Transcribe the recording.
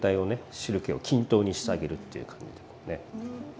汁けを均等にしてあげるっていう感じでこうね。